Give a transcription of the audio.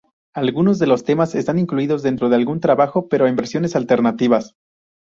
Algunos de los temas están incluidos dentro de algún trabajo, pero en versiones alternativas.